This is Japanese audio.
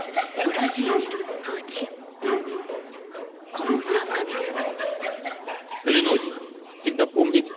この３か月後。